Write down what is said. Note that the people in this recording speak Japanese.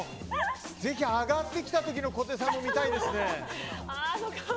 ぜひ上がってきたときの小手さんも見たいですね。